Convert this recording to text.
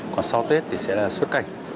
còn sau tết thì sẽ là xuất cảnh